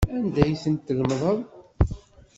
Anda ay tent-tlemdeḍ?